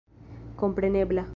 komprenebla.